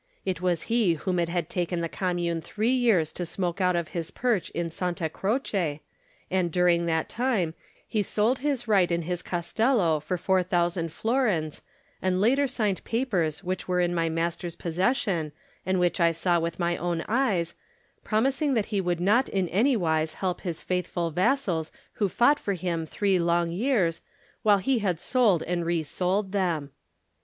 It was he whom it had taken the commune three years to smoke out of his perch in Santa Croce, and during that time he sold his right in his castelh for four thou sand florins and later signed papers which were in my master's possession and which I saw with my own eyes, promising that he would not in any wise help his faithful vas sals who fought for him three long years while he had sold and resold them.